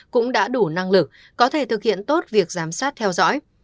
cũng đã đủ năng lực có thể thực hiện tốt việc giám sát theo dõi